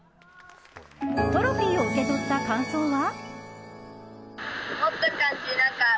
トロフィーを受け取った感想は。